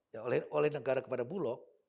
ya oleh negara kepada bulog